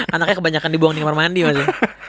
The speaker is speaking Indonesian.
anaknya kebanyakan dibuang di kamar mandi mas ya